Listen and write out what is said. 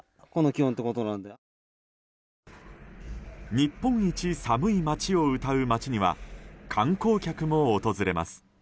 日本一寒い町をうたう町には観光客も訪れます。